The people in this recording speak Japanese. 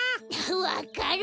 わかる！